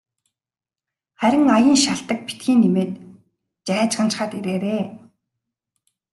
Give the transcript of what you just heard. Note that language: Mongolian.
Харин аян шалтаг битгий нэмээд жайжганачхаад ирээрэй.